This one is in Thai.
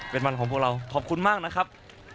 เป็นวันของพวกเราขอบคุณมากนะครับ